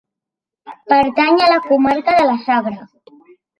Pertany a la comarca de la Sagra.